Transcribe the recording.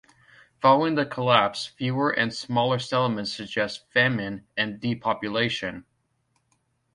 Following the collapse, fewer and smaller settlements suggest famine and depopulation.